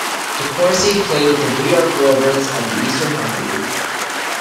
DeCourcy played with the New York Rovers of the Eastern Hockey League.